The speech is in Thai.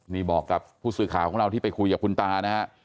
นี่บอกกับผู้สื่อข่าวของเราที่ไปคุยกับคุณตานะฮะ